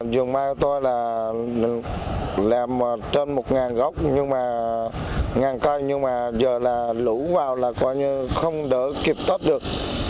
dùng mai của tôi là làm trên một góc một cây nhưng mà giờ là lũ vào là không đỡ kịp tốt được